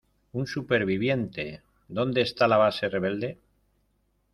¡ Un superviviente! ¿ dónde está la base rebelde?